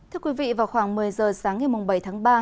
thưa quý vị vào khoảng một mươi giờ sáng ngày bảy tháng ba